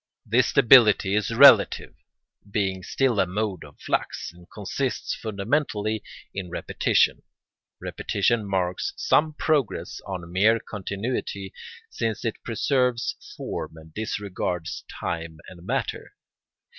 This stability is relative, being still a mode of flux, and consists fundamentally in repetition. Repetition marks some progress on mere continuity, since it preserves form and disregards time and matter.